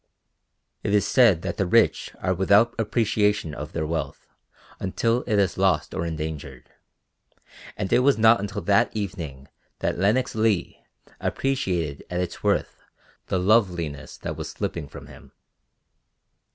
It is said that the rich are without appreciation of their wealth until it is lost or endangered, and it was not until that evening that Lenox Leigh appreciated at its worth the loveliness that was slipping from him.